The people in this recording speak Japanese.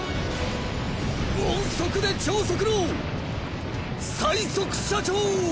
音速で超速の最速社長！！